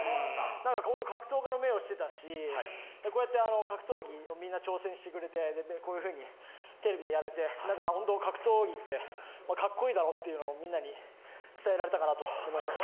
本当に格闘家の目をしていたし、こうやって格闘技をみんな挑戦してくれて、こういうふうにテレビでやれてホントに格闘技ってかっこいいだろっていうのをみんなに伝えられたかなと思います。